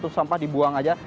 terus sampah dibuang aja